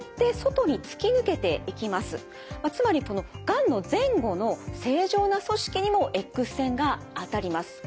つまりがんの前後の正常な組織にもＸ線が当たります。